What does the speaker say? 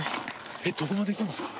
どこまで行くんですか？